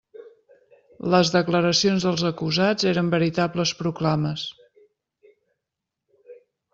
Les declaracions dels acusats eren veritables proclames.